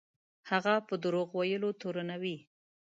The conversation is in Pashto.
هغه په دروغ ویلو تورنوي.